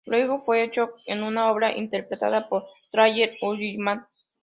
Luego fue hecho en una obra interpretada por Tracey Ullman.